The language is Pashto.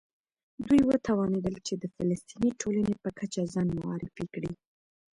دوی وتوانېدل چې د فلسطیني ټولنې په کچه ځان معرفي کړي.